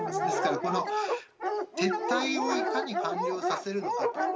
ですから、撤退をいかに完了させるのかと。